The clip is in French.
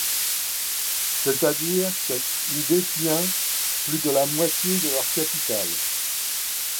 C'est-à-dire qu'elle y détient plus de la moitié de leur capital.